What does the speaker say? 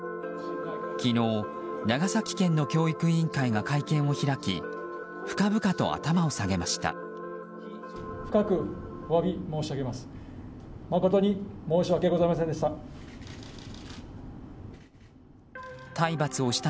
昨日、長崎県の教育委員会が会見を開き深々と頭を下げました。